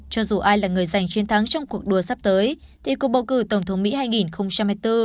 cho dù ai là người giành chiến thắng trong cuộc đua sắp tới thì cuộc bầu cử tổng thống mỹ